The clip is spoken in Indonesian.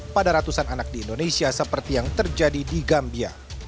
pada ratusan anak di indonesia seperti yang terjadi di gambia